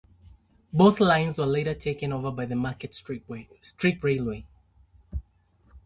Both lines were later taken over by the Market Street Railway.